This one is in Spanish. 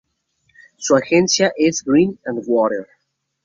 Su agencia es Green and Water.